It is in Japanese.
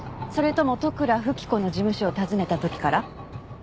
それとも利倉富貴子の事務所を訪ねた時から？